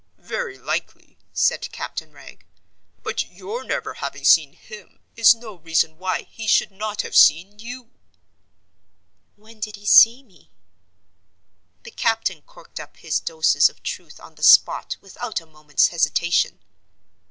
"Very likely," said Captain Wragge. "But your never having seen him is no reason why he should not have seen you." "When did he see me?" The captain corked up his doses of truth on the spot without a moment's hesitation.